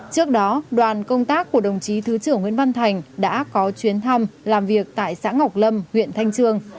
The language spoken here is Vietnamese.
trước đó đoàn công tác của đồng chí thứ trưởng nguyễn văn thành đã có chuyến thăm làm việc tại xã ngọc lâm huyện thanh trương